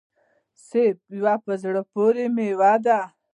سيب يوه په زړه پوري ميوه ده